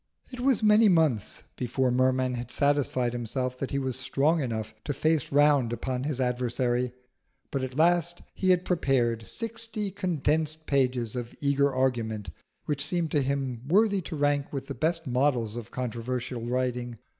It was many months before Merman had satisfied himself that he was strong enough to face round upon his adversary. But at last he had prepared sixty condensed pages of eager argument which seemed to him worthy to rank with the best models of controversial writing.